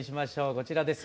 こちらです。